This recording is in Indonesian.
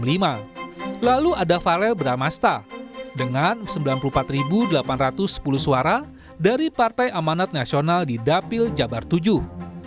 dan di dalam konteks ini ada sejumlah artis yang terdaftar sebagai caleg ada sejumlah artis yang terdaftar sebagai caleg ada sejumlah artis yang terdaftar dari partai amanat nasional di dapil jabartujuh